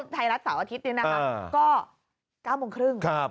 ไทยรัฐเสาร์อาทิตย์นี้นะคะก็๙โมงครึ่ง